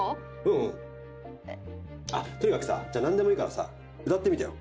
うんあっとにかくさじゃあ何でもいいからさ歌ってみてよ